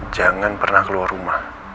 jangan pernah keluar rumah